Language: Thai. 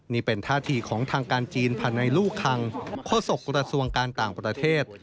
นี่เป็นท่าทีของทางการจีนภายในลูกคังโฆษกระทรวงการต่างประเทศ